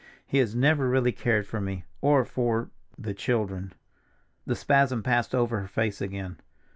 He has never really cared for me, or for—the children." The spasm passed over her face again.